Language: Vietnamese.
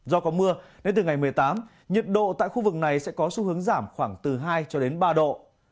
do có mưa nên từ ngày một mươi tám nhiệt độ tại khu vực này sẽ có xu hướng giảm khoảng từ hai cho đến ba độ